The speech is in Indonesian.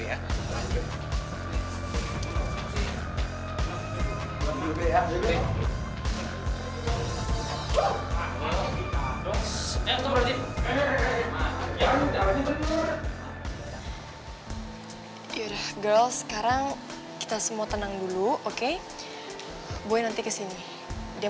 ya udah girls sekarang kita semua tenang dulu oke boy nanti kesini dia